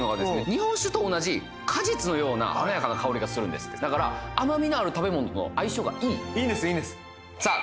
日本酒と同じ果実のような華やかな香りがするんですってだから甘みのある食べ物と相性がいいいいんですいいんですさあ